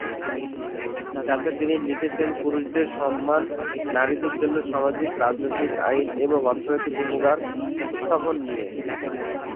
যাতে তিনি লিখেছেন পুরুষদের সমান নারীদের জন্য সামাজিক, রাজনৈতিক, আইনি এবং অর্থনৈতিক অধিকার উত্থাপন নিয়ে।